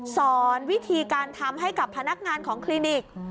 สอนวิธีการทำให้กับพนักงานของคลินิก